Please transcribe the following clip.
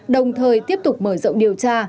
đồng thời tiếp tục mở rộng điều tra